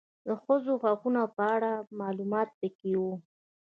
د ښځو د حقونو په اړه معلومات پکي و